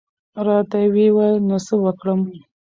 را ته وې ویل نو څه وکړم؟